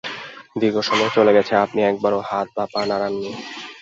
দীর্ঘ সময় চলে গেছে, আপনি একবারও হাত বা পা নাড়ান নি।